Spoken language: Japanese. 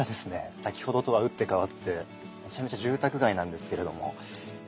先ほどとは打って変わってめちゃめちゃ住宅街なんですけれども。